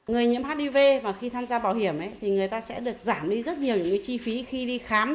người nhiễm hiv và khi tham gia bảo hiểm thì người ta sẽ được giảm đi rất nhiều những chi phí khi đi khám